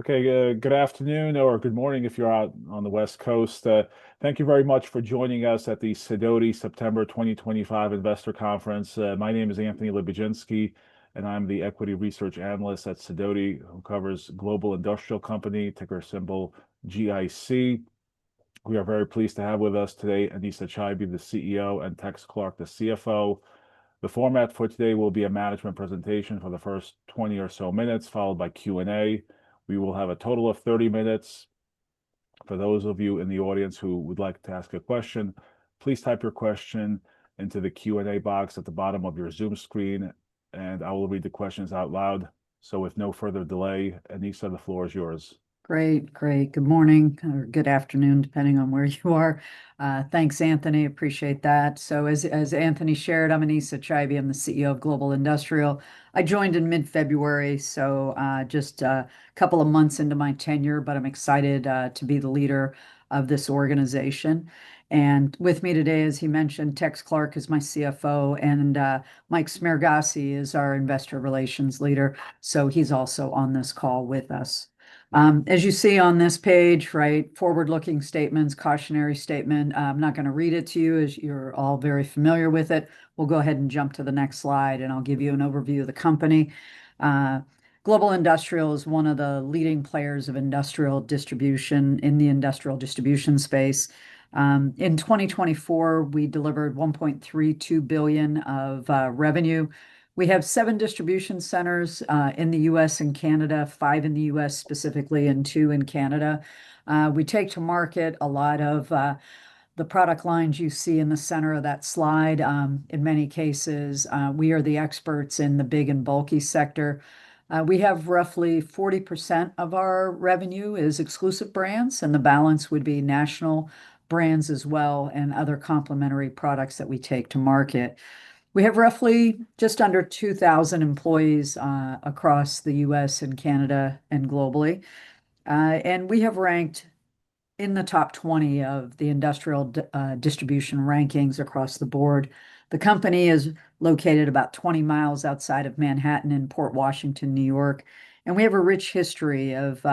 Okay, good afternoon, or good morning if you're out on the West Coast. Thank you very much for joining us at the Sidoti September 2025 Investor Conference. My name is Anthony Lebiedzinski, and I'm the Equity Research Analyst at Sidoti, who covers Global Industrial Company, ticker symbol GIC. We are very pleased to have with us today Anesa Chaibi, the CEO, and Tex Clark, the CFO. The format for today will be a management presentation for the first 20 or so minutes, followed by Q&A. We will have a total of 30 minutes. For those of you in the audience who would like to ask a question, please type your question into the Q&A box at the bottom of your Zoom screen, and I will read the questions out loud. So, with no further delay, Anesa, the floor is yours. Great, great. Good morning, or good afternoon, depending on where you are. Thanks, Anthony. Appreciate that. So, as Anthony shared, I'm Anesa Chaibi. I'm the CEO of Global Industrial. I joined in mid-February, so just a couple of months into my tenure, but I'm excited to be the leader of this organization. And with me today, as he mentioned, Tex Clark is my CFO, and Mike Smargiassi is our Investor Relations Leader, so he's also on this call with us. As you see on this page, right, forward-looking statements, cautionary statement. I'm not going to read it to you as you're all very familiar with it. We'll go ahead and jump to the next slide, and I'll give you an overview of the company. Global Industrial is one of the leading players of industrial distribution in the industrial distribution space. In 2024, we delivered $1.32 billion of revenue. We have seven distribution centers in the U.S. and Canada, five in the U.S. specifically, and two in Canada. We take to market a lot of the product lines you see in the center of that slide. In many cases, we are the experts in the big and bulky sector. We have roughly 40% of our revenue is exclusive brands, and the balance would be national brands as well and other complementary products that we take to market. We have roughly just under 2,000 employees across the U.S. and Canada and globally, and we have ranked in the top 20 of the industrial distribution rankings across the board. The company is located about 20 miles outside of Manhattan in Port Washington, New York, and we have a rich history of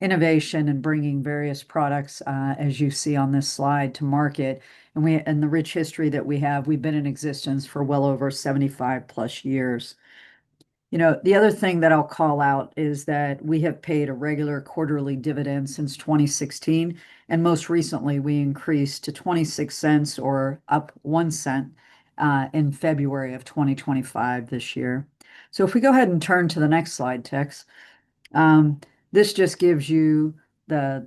innovation and bringing various products, as you see on this slide, to market. The rich history that we have, we've been in existence for well over 75 plus years. You know, the other thing that I'll call out is that we have paid a regular quarterly dividend since 2016, and most recently, we increased to $0.26, or up $0.01 in February of 2025 this year. If we go ahead and turn to the next slide, Tex, this just gives you the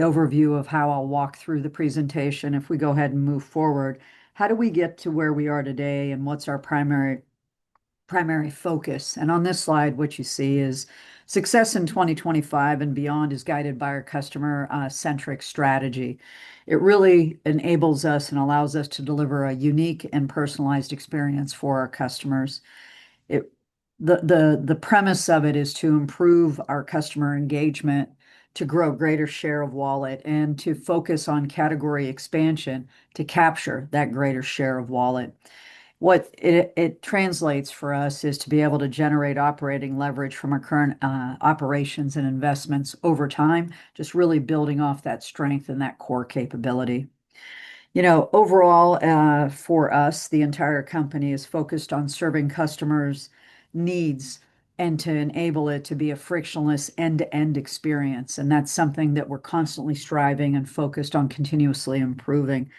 overview of how I'll walk through the presentation. If we go ahead and move forward, how do we get to where we are today and what's our primary focus? On this slide, what you see is success in 2025 and beyond is guided by our customer-centric strategy. It really enables us and allows us to deliver a unique and personalized experience for our customers. The premise of it is to improve our customer engagement, to grow a greater share of wallet, and to focus on category expansion to capture that greater share of wallet. What it translates for us is to be able to generate operating leverage from our current operations and investments over time, just really building off that strength and that core capability. You know, overall, for us, the entire company is focused on serving customers' needs and to enable it to be a frictionless end-to-end experience, and that's something that we're constantly striving and focused on continuously improving.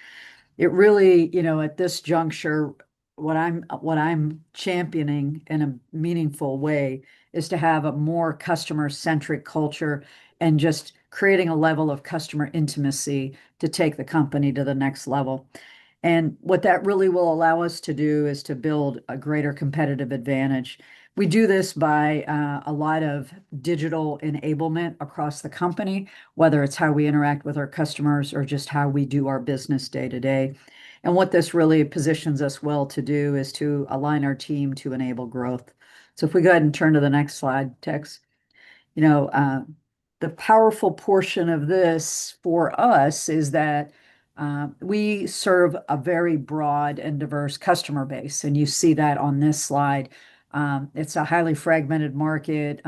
It really, you know, at this juncture, what I'm championing in a meaningful way is to have a more customer-centric culture and just creating a level of customer intimacy to take the company to the next level, and what that really will allow us to do is to build a greater competitive advantage. We do this by a lot of digital enablement across the company, whether it's how we interact with our customers or just how we do our business day-to-day. And what this really positions us well to do is to align our team to enable growth. So, if we go ahead and turn to the next slide, Tex, you know, the powerful portion of this for us is that we serve a very broad and diverse customer base, and you see that on this slide. It's a highly fragmented market,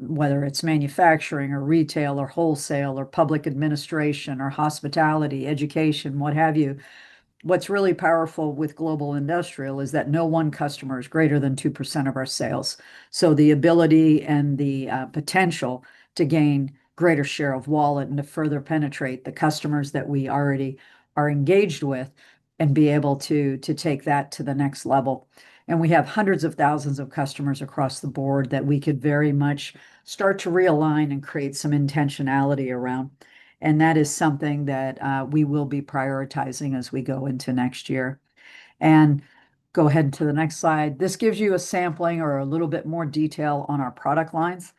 whether it's manufacturing or retail or wholesale or public administration or hospitality, education, what have you. What's really powerful with Global Industrial is that no one customer is greater than 2% of our sales. So, the ability and the potential to gain a greater share of wallet and to further penetrate the customers that we already are engaged with and be able to take that to the next level. And we have hundreds of thousands of customers across the board that we could very much start to realign and create some intentionality around, and that is something that we will be prioritizing as we go into next year. And go ahead to the next slide. This gives you a sampling or a little bit more detail on our product lines.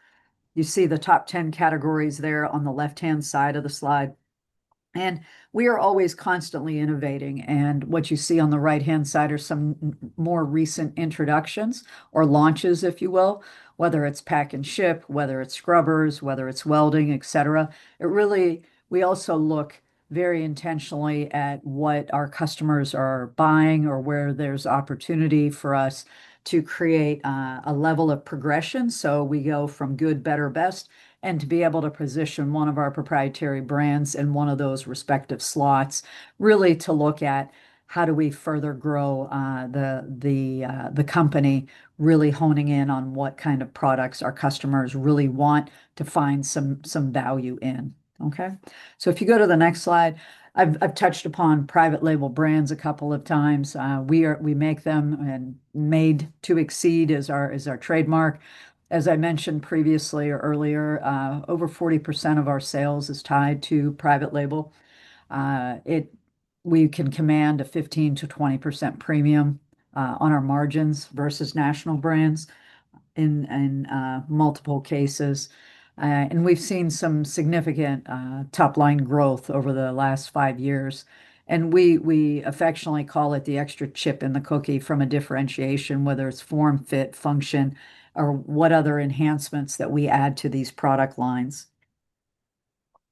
You see the top 10 categories there on the left-hand side of the slide. And we are always constantly innovating, and what you see on the right-hand side are some more recent introductions or launches, if you will, whether it's pack and ship, whether it's scrubbers, whether it's welding, etc. It really, we also look very intentionally at what our customers are buying or where there's opportunity for us to create a level of progression. So, we go from good, better, best, and to be able to position one of our proprietary brands in one of those respective slots, really to look at how do we further grow the company really honing in on what kind of products our customers really want to find some value in. Okay, so if you go to the next slide, I've touched upon private label brands a couple of times. We make them and Made to Exceed is our trademark. As I mentioned previously or earlier, over 40% of our sales is tied to private label. We can command a 15%-20% premium on our margins versus national brands in multiple cases. And we've seen some significant top-line growth over the last five years, and we affectionately call it the extra chip in the cookie from a differentiation, whether it's form, fit, function, or what other enhancements that we add to these product lines.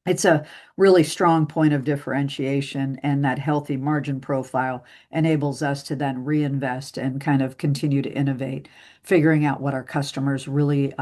It's a really strong point of differentiation, and that healthy margin profile enables us to then reinvest and kind of continue to innovate, figuring out what our customers really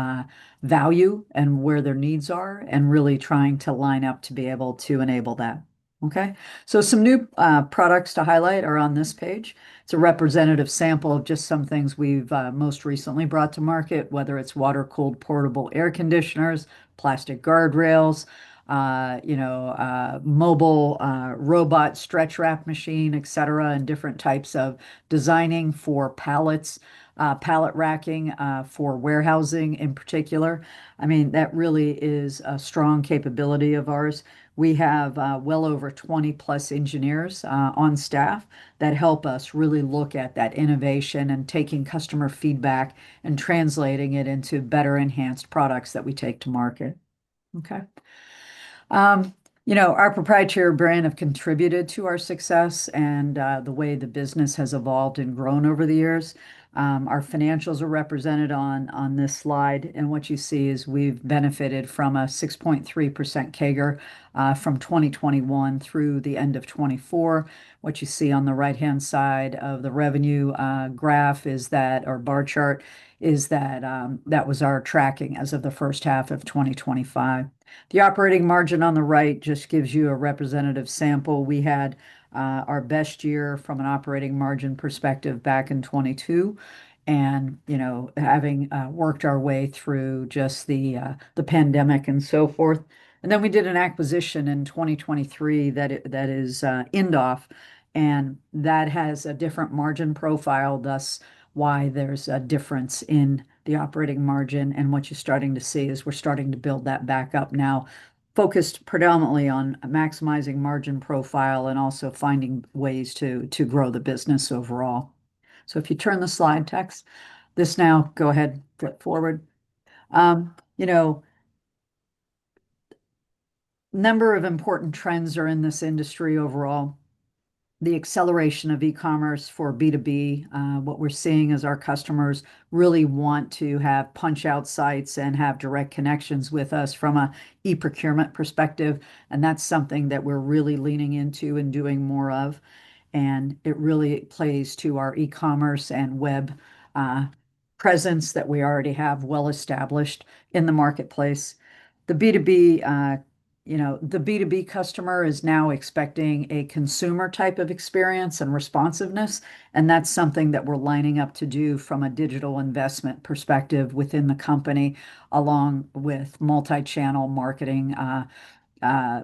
value and where their needs are, and really trying to line up to be able to enable that. Okay, so some new products to highlight are on this page. It's a representative sample of just some things we've most recently brought to market, whether it's water-cooled portable air conditioners, plastic guardrails, you know, mobile robot stretch wrap machine, etc., and different types of designing for pallets, pallet racking for warehousing in particular. I mean, that really is a strong capability of ours. We have well over 20 plus engineers on staff that help us really look at that innovation and taking customer feedback and translating it into better enhanced products that we take to market. Okay, you know, our proprietary brand has contributed to our success and the way the business has evolved and grown over the years. Our financials are represented on this slide, and what you see is we've benefited from a 6.3% CAGR from 2021 through the end of 2024. What you see on the right-hand side of the revenue graph is that, or bar chart, is that that was our tracking as of the first half of 2025. The operating margin on the right just gives you a representative sample. We had our best year from an operating margin perspective back in 2022, and, you know, having worked our way through just the pandemic and so forth, and then we did an acquisition in 2023 that is Indoff, and that has a different margin profile, thus why there's a difference in the operating margin. And what you're starting to see is we're starting to build that back up now, focused predominantly on maximizing margin profile and also finding ways to grow the business overall. So, if you turn the slide, Tex, this now, go ahead, flip forward. You know, a number of important trends are in this industry overall. The acceleration of e-commerce for B2B. What we're seeing is our customers really want to have punch-out sites and have direct connections with us from an e-procurement perspective, and that's something that we're really leaning into and doing more of. It really plays to our e-commerce and web presence that we already have well established in the marketplace. The B2B, you know, the B2B customer is now expecting a consumer type of experience and responsiveness, and that's something that we're lining up to do from a digital investment perspective within the company, along with multi-channel marketing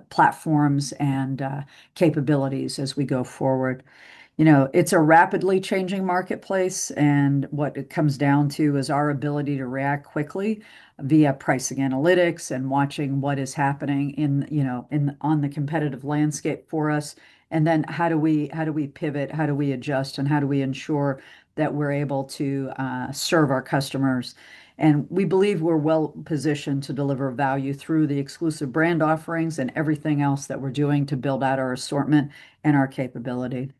platforms and capabilities as we go forward. You know, it's a rapidly changing marketplace, and what it comes down to is our ability to react quickly via pricing analytics and watching what is happening in, you know, on the competitive landscape for us. Then how do we pivot, how do we adjust, and how do we ensure that we're able to serve our customers? We believe we're well positioned to deliver value through the exclusive brand offerings and everything else that we're doing to build out our assortment and our capability.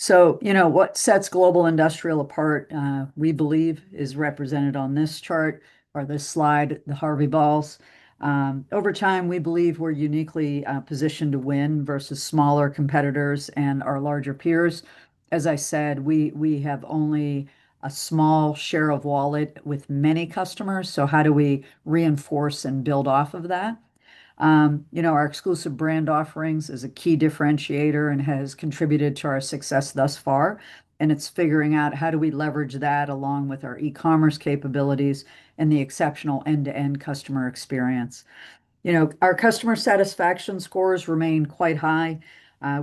So, you know, what sets Global Industrial apart, we believe, is represented on this chart or this slide, the Harvey Balls. Over time, we believe we're uniquely positioned to win versus smaller competitors and our larger peers. As I said, we have only a small share of wallet with many customers, so how do we reinforce and build off of that? You know, our exclusive brand offerings is a key differentiator and has contributed to our success thus far, and it's figuring out how do we leverage that along with our e-commerce capabilities and the exceptional end-to-end customer experience. You know, our customer satisfaction scores remain quite high.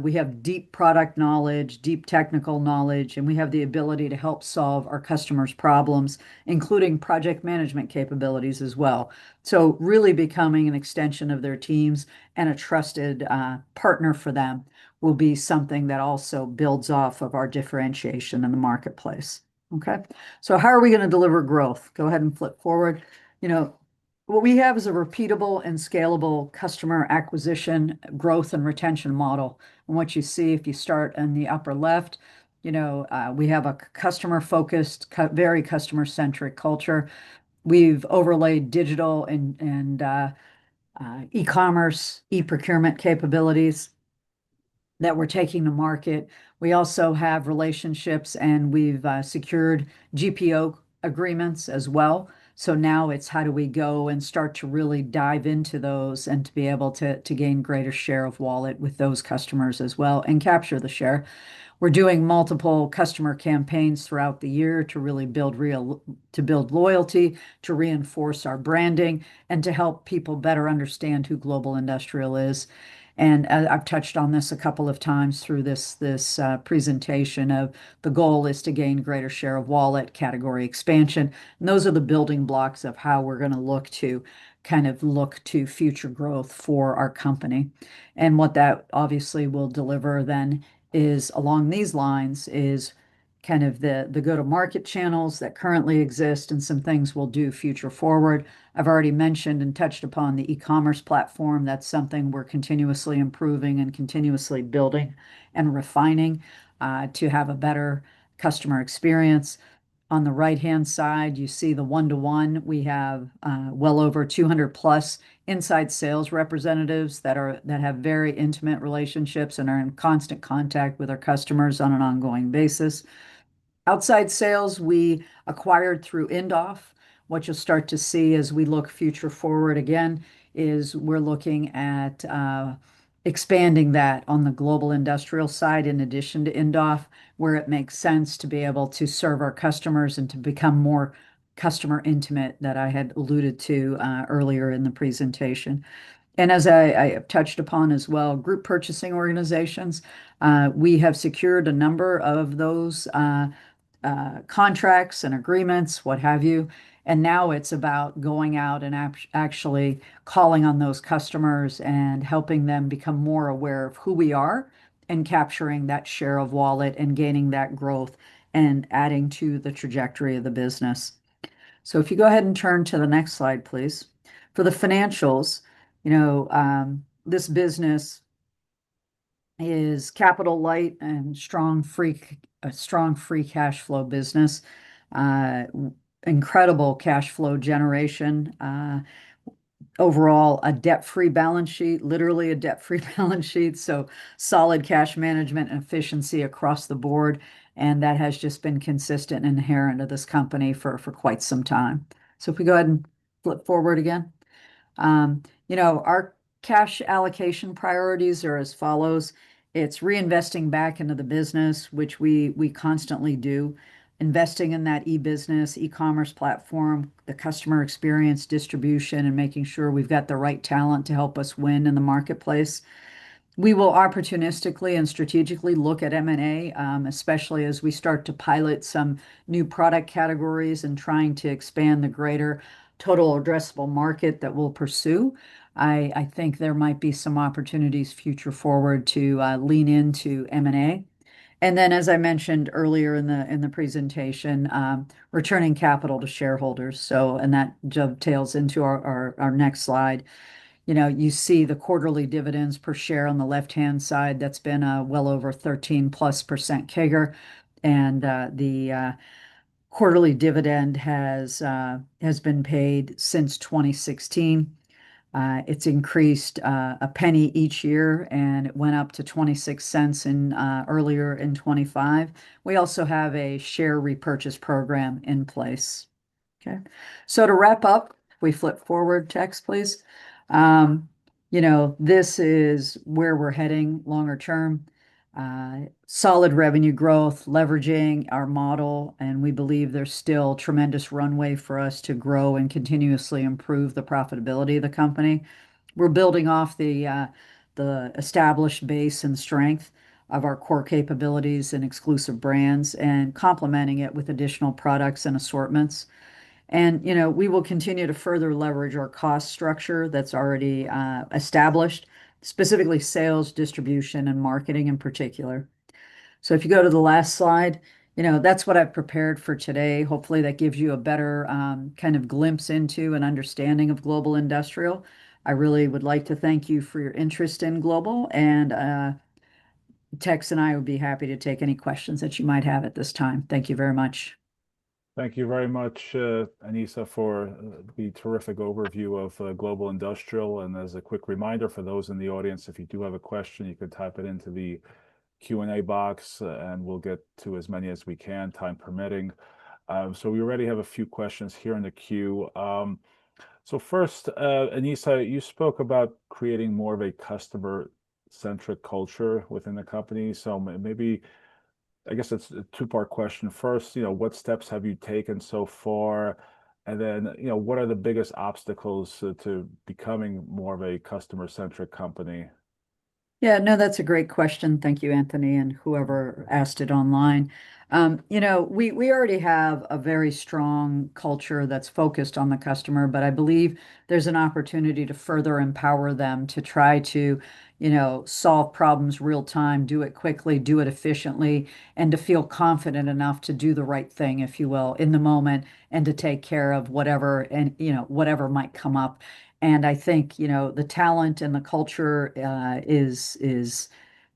We have deep product knowledge, deep technical knowledge, and we have the ability to help solve our customers' problems, including project management capabilities as well. So, really becoming an extension of their teams and a trusted partner for them will be something that also builds off of our differentiation in the marketplace. Okay, so how are we going to deliver growth? Go ahead and flip forward. You know, what we have is a repeatable and scalable customer acquisition growth and retention model. And what you see, if you start in the upper left, you know, we have a customer-focused, very customer-centric culture. We've overlaid digital and e-commerce e-procurement capabilities that we're taking to market. We also have relationships, and we've secured GPO agreements as well. So now it's how do we go and start to really dive into those and to be able to gain a greater share of wallet with those customers as well and capture the share. We're doing multiple customer campaigns throughout the year to really build loyalty, to reinforce our branding, and to help people better understand who Global Industrial is. And I've touched on this a couple of times through this presentation. The goal is to gain a greater share of wallet category expansion. And those are the building blocks of how we're going to look to kind of future growth for our company. And what that obviously will deliver then is along these lines, kind of the go-to-market channels that currently exist and some things we'll do future forward. I've already mentioned and touched upon the e-commerce platform. That's something we're continuously improving and continuously building and refining to have a better customer experience. On the right-hand side, you see the one-to-one. We have well over 200 plus inside sales representatives that have very intimate relationships and are in constant contact with our customers on an ongoing basis. Outside sales, we acquired through Indoff. What you'll start to see as we look future forward again is we're looking at expanding that on the Global Industrial side in addition to Indoff, where it makes sense to be able to serve our customers and to become more customer intimate that I had alluded to earlier in the presentation. And as I have touched upon as well, group purchasing organizations, we have secured a number of those contracts and agreements, what have you. And now it's about going out and actually calling on those customers and helping them become more aware of who we are and capturing that share of wallet and gaining that growth and adding to the trajectory of the business. So, if you go ahead and turn to the next slide, please. For the financials, you know, this business is capital light and strong free cash flow business, incredible cash flow generation. Overall, a debt-free balance sheet, literally a debt-free balance sheet. So, solid cash management and efficiency across the board, and that has just been consistent and inherent to this company for quite some time. So, if we go ahead and flip forward again, you know, our cash allocation priorities are as follows. It's reinvesting back into the business, which we constantly do, investing in that e-business, e-commerce platform, the customer experience distribution, and making sure we've got the right talent to help us win in the marketplace. We will opportunistically and strategically look at M&A, especially as we start to pilot some new product categories and trying to expand the greater total addressable market that we'll pursue. I think there might be some opportunities future forward to lean into M&A. And then, as I mentioned earlier in the presentation, returning capital to shareholders. So, and that dovetails into our next slide. You know, you see the quarterly dividends per share on the left-hand side. That's been well over 13%+ CAGR, and the quarterly dividend has been paid since 2016. It's increased $0.01 each year, and it went up to $0.26 earlier in 2025. We also have a share repurchase program in place. Okay, so to wrap up, we flip forward, Tex, please. You know, this is where we're heading longer term, solid revenue growth, leveraging our model, and we believe there's still a tremendous runway for us to grow and continuously improve the profitability of the company. We're building off the established base and strength of our core capabilities and exclusive brands and complementing it with additional products and assortments, and, you know, we will continue to further leverage our cost structure that's already established, specifically sales, distribution, and marketing in particular, so, if you go to the last slide, you know, that's what I've prepared for today. Hopefully, that gives you a better kind of glimpse into an understanding of Global Industrial. I really would like to thank you for your interest in Global, and Tex and I would be happy to take any questions that you might have at this time. Thank you very much. Thank you very much, Anesa, for the terrific overview of Global Industrial. As a quick reminder for those in the audience, if you do have a question, you can type it into the Q&A box, and we'll get to as many as we can, time permitting. We already have a few questions here in the queue. First, Anesa, you spoke about creating more of a customer-centric culture within the company. Maybe, I guess it's a two-part question. First, you know, what steps have you taken so far? And then, you know, what are the biggest obstacles to becoming more of a customer-centric company? Yeah, no, that's a great question. Thank you, Anthony, and whoever asked it online. You know, we already have a very strong culture that's focused on the customer, but I believe there's an opportunity to further empower them to try to, you know, solve problems real time, do it quickly, do it efficiently, and to feel confident enough to do the right thing, if you will, in the moment, and to take care of whatever, and, you know, whatever might come up. And I think, you know, the talent and the culture is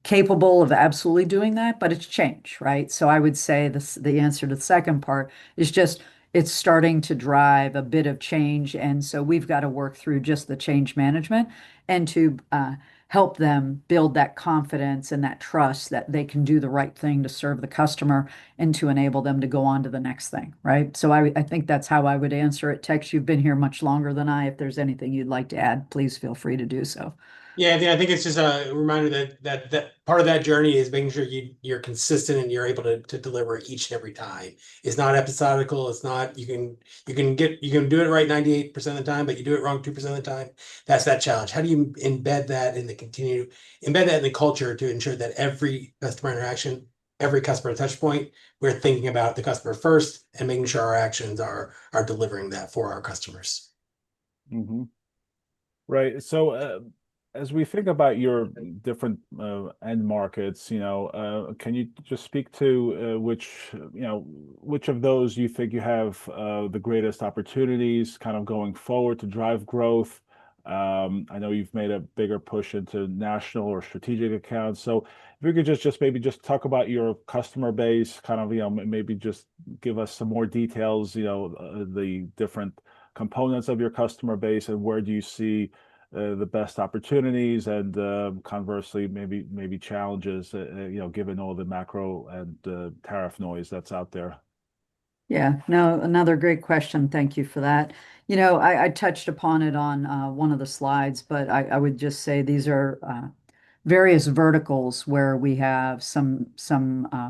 capable of absolutely doing that, but it's change, right? So, I would say the answer to the second part is just it's starting to drive a bit of change. And so, we've got to work through just the change management and to help them build that confidence and that trust that they can do the right thing to serve the customer and to enable them to go on to the next thing, right? So, I think that's how I would answer it. Tex, you've been here much longer than I. If there's anything you'd like to add, please feel free to do so. Yeah, I think it's just a reminder that part of that journey is making sure you're consistent and you're able to deliver each and every time. It's not episodic. It's not; you can do it right 98% of the time, but you do it wrong 2% of the time. That's the challenge. How do you embed that in the continuum, embed that in the culture to ensure that every customer interaction, every customer touchpoint, we're thinking about the customer first and making sure our actions are delivering that for our customers. Right. So, as we think about your different end markets, you know, can you just speak to which, you know, which of those you think you have the greatest opportunities kind of going forward to drive growth? I know you've made a bigger push into national or strategic accounts. So, if you could just maybe talk about your customer base, kind of, you know, maybe just give us some more details, you know, the different components of your customer base and where do you see the best opportunities and conversely, maybe challenges, you know, given all the macro and tariff noise that's out there. Yeah, now another great question. Thank you for that. You know, I touched upon it on one of the slides, but I would just say these are various verticals where we have some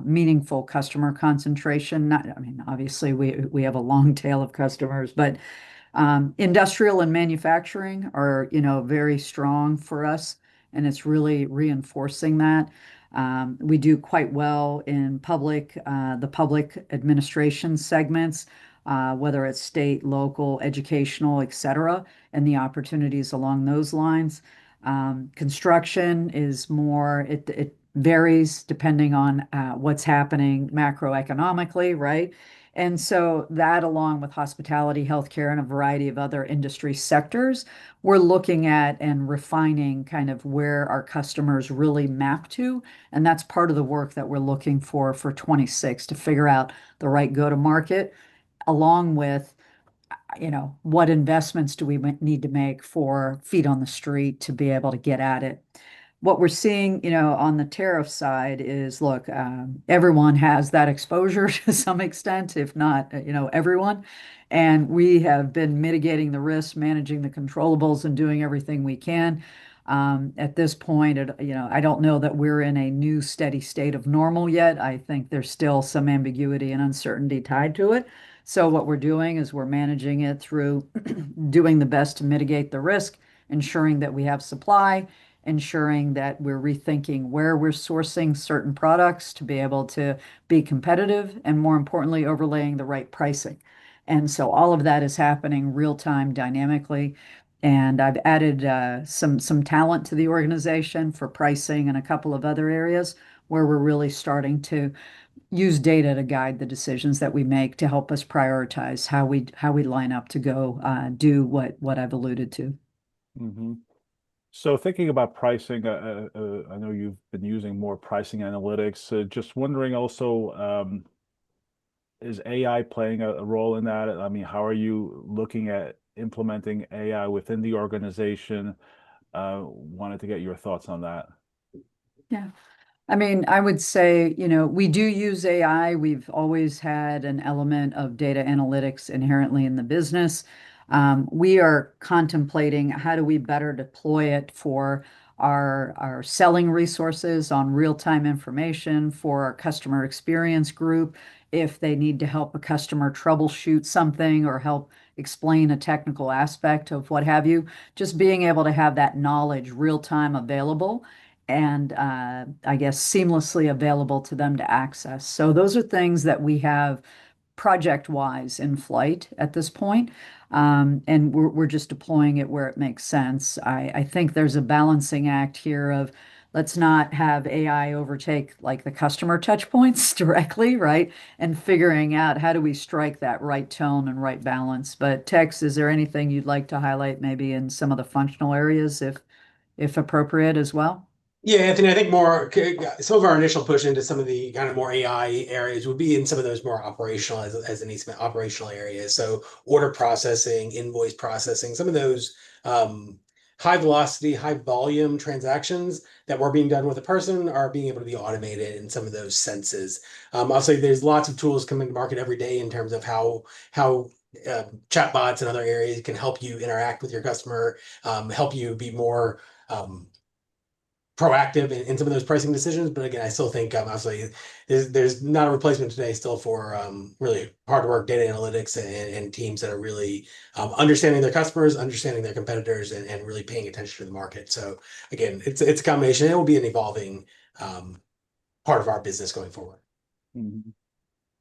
meaningful customer concentration. I mean, obviously, we have a long tail of customers, but industrial and manufacturing are, you know, very strong for us, and it's really reinforcing that. We do quite well in public, the public administration segments, whether it's state, local, educational, etc., and the opportunities along those lines. Construction is more, it varies depending on what's happening macroeconomically, right? And so that, along with hospitality, healthcare, and a variety of other industry sectors, we're looking at and refining kind of where our customers really map to. And that's part of the work that we're looking for for 2026 to figure out the right go-to-market along with, you know, what investments do we need to make for feet on the street to be able to get at it. What we're seeing, you know, on the tariff side is, look, everyone has that exposure to some extent, if not, you know, everyone. And we have been mitigating the risk, managing the controllables, and doing everything we can. At this point, you know, I don't know that we're in a new steady state of normal yet. I think there's still some ambiguity and uncertainty tied to it. What we're doing is we're managing it through doing the best to mitigate the risk, ensuring that we have supply, ensuring that we're rethinking where we're sourcing certain products to be able to be competitive and, more importantly, overlaying the right pricing. And so, all of that is happening real-time dynamically. And I've added some talent to the organization for pricing and a couple of other areas where we're really starting to use data to guide the decisions that we make to help us prioritize how we line up to go do what I've alluded to. So, thinking about pricing, I know you've been using more pricing analytics. Just wondering also, is AI playing a role in that? I mean, how are you looking at implementing AI within the organization? Wanted to get your thoughts on that. Yeah, I mean, I would say, you know, we do use AI. We've always had an element of data analytics inherently in the business. We are contemplating how do we better deploy it for our selling resources on real-time information for our customer experience group if they need to help a customer troubleshoot something or help explain a technical aspect of what have you. Just being able to have that knowledge real-time available and, I guess, seamlessly available to them to access. So, those are things that we have project-wise in flight at this point, and we're just deploying it where it makes sense. I think there's a balancing act here of let's not have AI overtake like the customer touchpoints directly, right? And figuring out how do we strike that right tone and right balance. But Tex, is there anything you'd like to highlight maybe in some of the functional areas if appropriate as well? Yeah, Anthony, I think more some of our initial push into some of the kind of more AI areas would be in some of those more operational, as Anesa said, operational areas. So, order processing, invoice processing, some of those high velocity, high volume transactions that were being done with a person are being able to be automated in some of those senses. Also, there's lots of tools coming to market every day in terms of how chatbots and other areas can help you interact with your customer, help you be more proactive in some of those pricing decisions. But again, I still think obviously there's not a replacement today still for really hard work, data analytics, and teams that are really understanding their customers, understanding their competitors, and really paying attention to the market. So again, it's a combination. It will be an evolving part of our business going forward.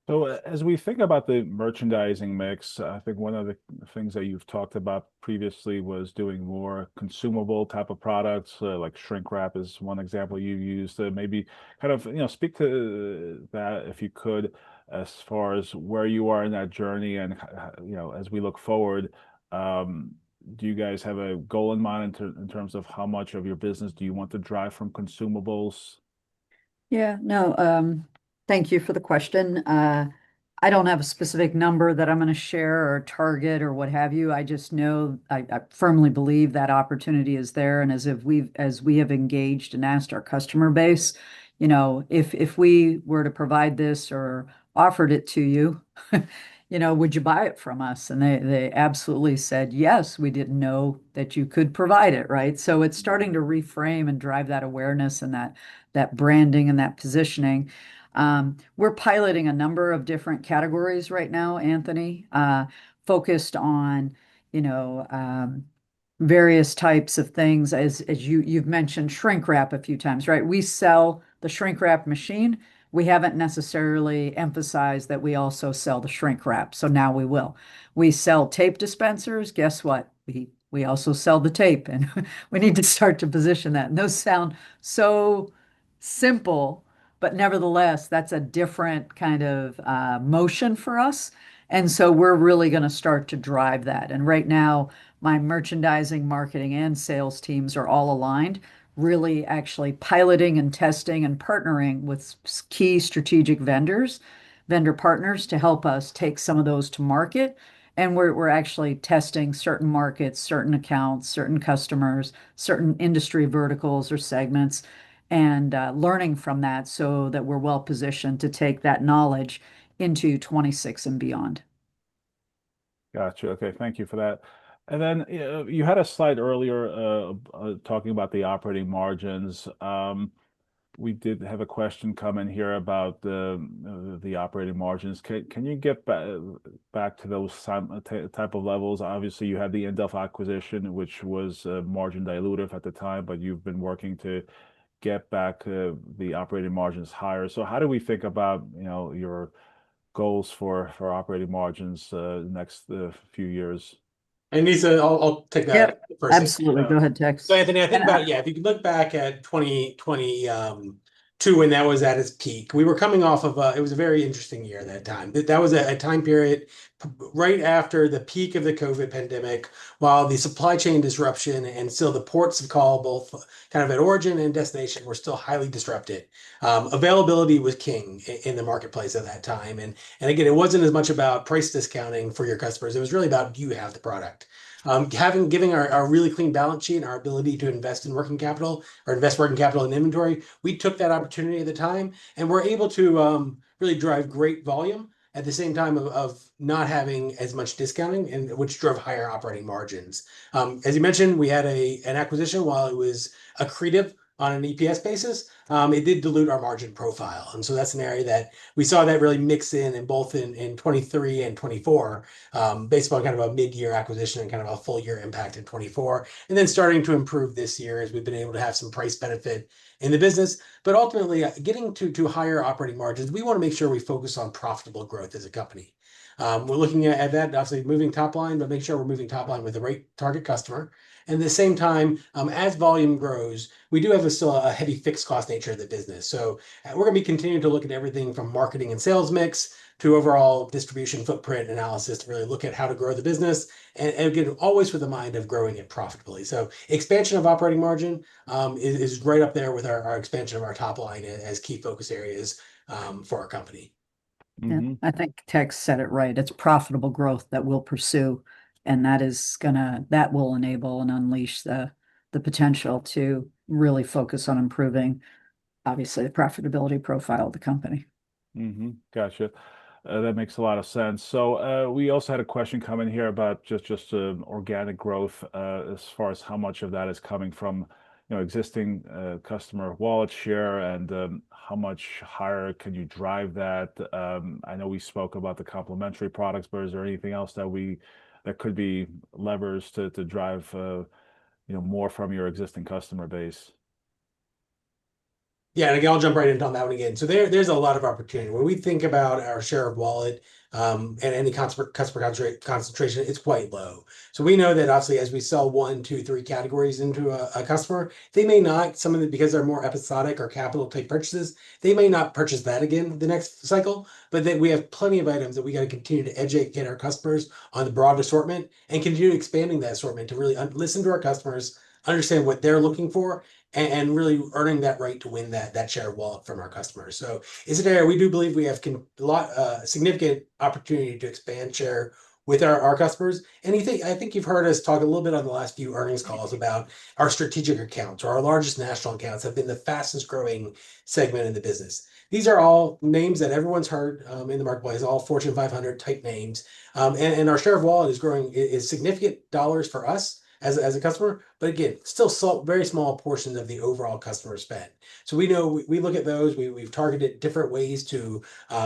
So as we think about the merchandising mix, I think one of the things that you've talked about previously was doing more consumable type of products like shrink wrap is one example you used. Maybe kind of, you know, speak to that if you could as far as where you are in that journey and, you know, as we look forward, do you guys have a goal in mind in terms of how much of your business do you want to drive from consumables? Yeah, no, thank you for the question. I don't have a specific number that I'm going to share or target or what have you. I just know I firmly believe that opportunity is there. As we have engaged and asked our customer base, you know, if we were to provide this or offered it to you, you know, would you buy it from us? They absolutely said, yes, we didn't know that you could provide it, right? It's starting to reframe and drive that awareness and that branding and that positioning. We're piloting a number of different categories right now, Anthony, focused on, you know, various types of things. As you've mentioned, shrink wrap a few times, right? We sell the shrink wrap machine. We haven't necessarily emphasized that we also sell the shrink wrap. Now we will. We sell tape dispensers. Guess what? We also sell the tape. We need to start to position that. Those sound so simple, but nevertheless, that's a different kind of motion for us. And so we're really going to start to drive that. And right now, my merchandising, marketing, and sales teams are all aligned, really actually piloting and testing and partnering with key strategic vendors, vendor partners to help us take some of those to market. And we're actually testing certain markets, certain accounts, certain customers, certain industry verticals or segments, and learning from that so that we're well positioned to take that knowledge into 2026 and beyond. Gotcha. Okay, thank you for that. And then you had a slide earlier talking about the operating margins. We did have a question come in here about the operating margins. Can you get back to those type of levels? Obviously, you had the Indoff acquisition, which was margin dilutive at the time, but you've been working to get back the operating margins higher. So how do we think about, you know, your goals for operating margins the next few years? Anesa, I'll take that first. Yeah, absolutely. Go ahead, Tex. So Anthony, I think about, yeah, if you can look back at 2022 when that was at its peak, we were coming off of a, it was a very interesting year at that time. That was a time period right after the peak of the COVID pandemic while the supply chain disruption and still the ports of call, both kind of at origin and destination, were still highly disrupted. Availability was king in the marketplace at that time. And again, it wasn't as much about price discounting for your customers. It was really about, do you have the product? Having given our really clean balance sheet and our ability to invest in working capital or invest working capital in inventory, we took that opportunity at the time and were able to really drive great volume at the same time of not having as much discounting, which drove higher operating margins. As you mentioned, we had an acquisition while it was accretive on an EPS basis. It did dilute our margin profile. And so that's an area that we saw that really mix in both in 2023 and 2024 based on kind of a mid-year acquisition and kind of a full year impact in 2024. And then starting to improve this year as we've been able to have some price benefit in the business. But ultimately, getting to higher operating margins, we want to make sure we focus on profitable growth as a company. We're looking at that, obviously moving top line, but make sure we're moving top line with the right target customer. And at the same time, as volume grows, we do have a heavy fixed cost nature of the business. So we're going to be continuing to look at everything from marketing and sales mix to overall distribution footprint analysis to really look at how to grow the business and get it always with the mind of growing it profitably. So expansion of operating margin is right up there with our expansion of our top line as key focus areas for our company. Yeah, I think Tex said it right. It's profitable growth that we'll pursue. And that is going to, that will enable and unleash the potential to really focus on improving, obviously, the profitability profile of the company. Gotcha. That makes a lot of sense. So we also had a question come in here about just organic growth as far as how much of that is coming from, you know, existing customer wallet share and how much higher can you drive that? I know we spoke about the complementary products, but is there anything else that we could be levers to drive, you know, more from your existing customer base? Yeah, and again, I'll jump right in on that one again. So there's a lot of opportunity. When we think about our share of wallet and any customer concentration, it's quite low. So we know that obviously as we sell one, two, three categories into a customer, they may not, some of them because they're more episodic or capital-type purchases, they may not purchase that again the next cycle. But then we have plenty of items that we got to continue to educate our customers on the broad assortment and continue expanding that assortment to really listen to our customers, understand what they're looking for, and really earning that right to win that share of wallet from our customers. So it's an area we do believe we have a lot of significant opportunity to expand share with our customers. And I think you've heard us talk a little bit on the last few earnings calls about our strategic accounts or our largest national accounts have been the fastest growing segment in the business. These are all names that everyone's heard in the marketplace, all Fortune 500 type names. And our share of wallet is growing. It's significant dollars for us as a customer, but again, still very small portions of the overall customer spend. So we know we look at those, we've targeted different ways to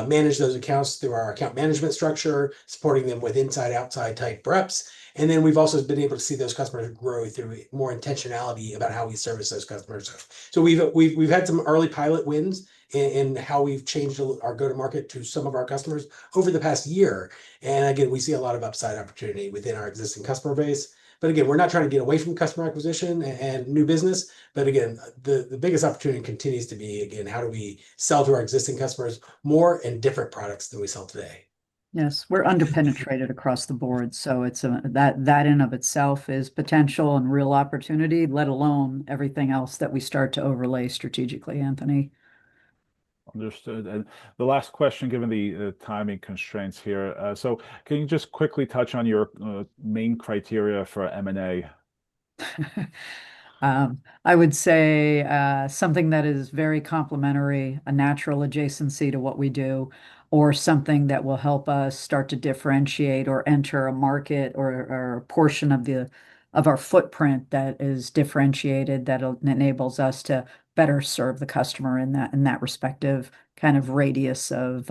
manage those accounts through our account management structure, supporting them with inside-outside type reps, and then we've also been able to see those customers grow through more intentionality about how we service those customers, so we've had some early pilot wins in how we've changed our go-to-market to some of our customers over the past year, and again, we see a lot of upside opportunity within our existing customer base, but again, we're not trying to get away from customer acquisition and new business, but again, the biggest opportunity continues to be, again, how do we sell to our existing customers more and different products than we sell today? Yes, we're underpenetrated across the board, so that in and of itself is potential and real opportunity, let alone everything else that we start to overlay strategically, Anthony. Understood. And the last question, given the timing constraints here. So can you just quickly touch on your main criteria for M&A? I would say something that is very complementary, a natural adjacency to what we do, or something that will help us start to differentiate or enter a market or a portion of our footprint that is differentiated that enables us to better serve the customer in that respective kind of radius of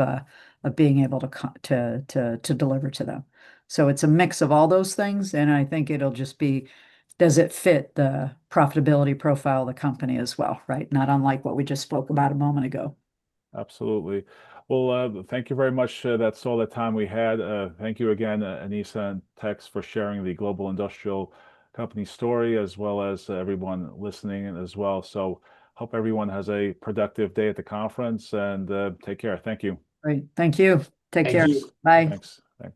being able to deliver to them. So it's a mix of all those things. And I think it'll just be, does it fit the profitability profile of the company as well, right? Not unlike what we just spoke about a moment ago. Absolutely. Well, thank you very much. That's all the time we had. Thank you again, Anesa and Tex, for sharing the Global Industrial Company story as well as everyone listening as well. So hope everyone has a productive day at the conference and take care. Thank you. Great. Thank you. Take care. Bye. Thanks. Thanks.